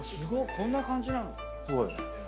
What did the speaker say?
こんな感じなの？